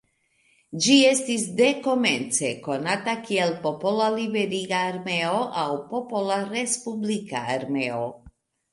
Ĝi estis dekomence konata kiel "Popola Liberiga Armeo" aŭ "Popola Respublika Armeo".